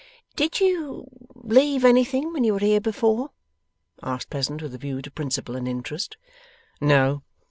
'Did you Leave anything when you were here before?' asked Pleasant, with a view to principal and interest. 'No.